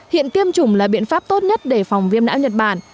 hiện tiêm chủng là biện pháp tốt nhất để phòng viêm não nhật bản